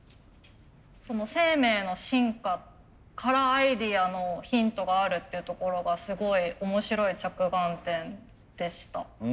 生命の進化からアイデアのヒントがあるっていうところがすごい面白い着眼点でした。